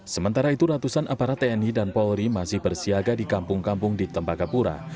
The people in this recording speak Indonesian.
sementara itu ratusan aparat tni dan polri masih bersiaga di kampung kampung di tembagapura